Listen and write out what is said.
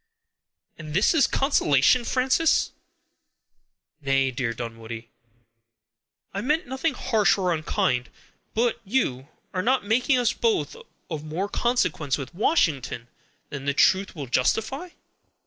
"And this is consolation, Frances!" "Nay, dear Dunwoodie, I meant nothing harsh or unkind; but are you not making us both of more consequence with Washington than the truth will justify?"